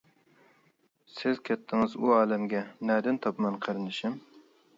سىز كەتتىڭىز ئۇ ئالەمگە، نەدىن تاپىمەن قېرىندىشىم!